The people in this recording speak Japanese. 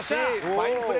ファインプレー。